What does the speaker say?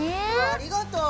ありがとう！